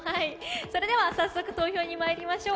それでは早速投票に参りましょう。